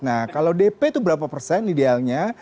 nah kalau dp itu berapa persen idealnya